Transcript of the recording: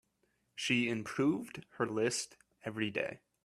She improved her list every day.